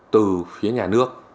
từ phía nhà nước